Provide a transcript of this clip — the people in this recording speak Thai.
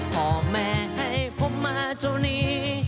พ่อแม่ให้ผมมาเท่านี้